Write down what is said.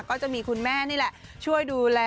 ก็จะมีคุณแม่นี่แหละช่วยดูแล